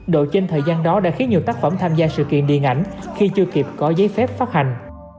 độ trên thời gian đó đã khiến nhiều tác phẩm tham gia sự kiện điện ảnh khi chưa kịp có giấy phép phát hành